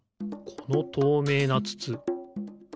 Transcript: このとうめいなつつ。